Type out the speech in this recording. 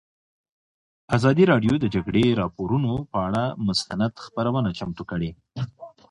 ازادي راډیو د د جګړې راپورونه پر اړه مستند خپرونه چمتو کړې.